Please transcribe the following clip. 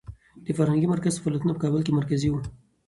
د فرهنګي مرکز فعالیتونه په کابل کې مرکزي و.